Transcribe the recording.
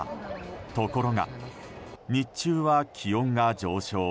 ところが日中は気温が上昇。